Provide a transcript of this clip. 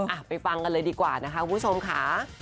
อ่ะไปฟังกันเลยดีกว่านะคะคุณผู้ชมค่ะ